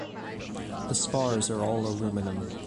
The spars are all aluminum.